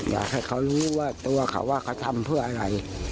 อยากให้เขารู้ว่าตัวเขาว่าเขาทำเพื่ออะไร